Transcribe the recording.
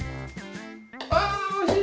あおしい！